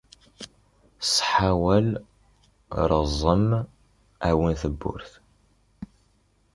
Ṣeḥḥa wal reẓẓem awen twurt.